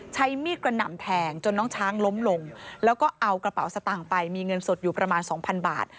ใช้มีดกระหน่ำแทงจนน้องช้างล้มลงแล้วก็เอากระเป๋าสตางค์ไปมีเงินสดอยู่ประมาณสองพันบาท